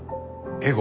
エゴ？